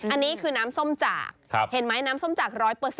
อันนี้คือน้ำส้มจากเห็นไหมน้ำส้มจาก๑๐๐